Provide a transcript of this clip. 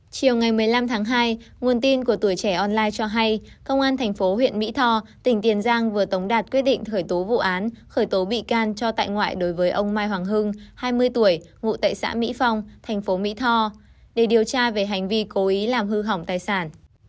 chiều ngày một mươi năm tháng hai nguồn tin của tuổi trẻ online cho hay công an thành phố huyện mỹ thò tỉnh tiền giang vừa tống đạt quyết định khởi tố vụ án khởi tố bị can cho tại ngoại đối với ông mai hoàng hưng hai mươi tuổi ngụ tại xã mỹ phong thành phố mỹ tho để điều tra về hành vi cố ý làm hư hỏng tài sản